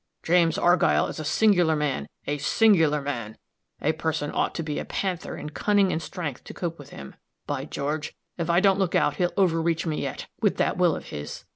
"James Argyll is a singular man a singular man! A person ought to be a panther in cunning and strength to cope with him. By George, if I don't look out, he'll overreach me yet with that will of his.